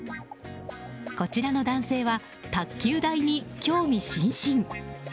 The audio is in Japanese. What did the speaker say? こちらの男性は卓球台に興味津々。